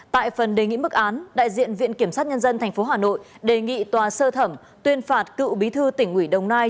tại phần đề nghị mức án đại diện viện kiểm sát nhân dân tp hà nội đề nghị tòa sơ thẩm tuyên phạt cựu bí thư tỉnh ủy đồng nai